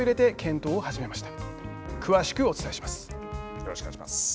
よろしくお願いします。